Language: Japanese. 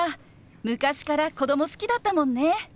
昔から子供好きだったもんね。